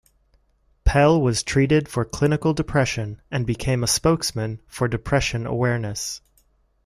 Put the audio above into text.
Pell was treated for clinical depression and became a spokesman for depression awareness.